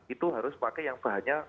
itu harus pakai yang bahannya